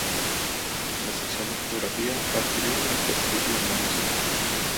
La Sección de fotografía, adquirió un gran prestigio a nivel nacional.